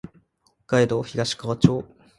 北海道東川町